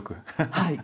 はい。